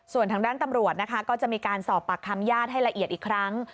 ส่วนทางด้านตำรวจนะคะก็จะมีการสอบปากคำญาติให้ละเอียดอีกครั้ง